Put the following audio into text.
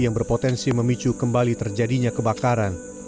yang berpotensi memicu kembali terjadinya kebakaran